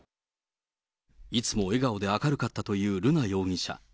いつも笑顔で明るかったという瑠奈容疑者。